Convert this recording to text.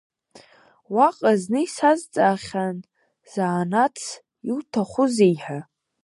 Уаҟа зны исазҵаахьан занааҭс иуҭахузеи ҳәа.